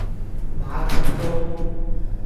馬蹄糕